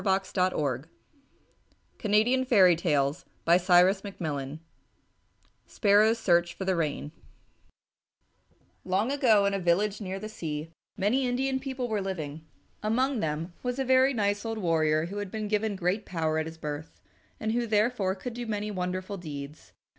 [Illustration: AND THEY SAT DOWN TOGETHER ON THE EDGE OF THE LAKE] SPARROW'S SEARCH FOR THE RAIN Long ago, in a village near the sea, many Indian people were living. Among them was a very nice old warrior who had been given great power at his birth, and who, therefore, could do many wonderful deeds.